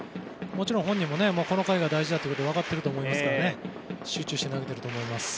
もちろん本人もこの回が大事だと分かっていると思いますから集中して投げていると思います。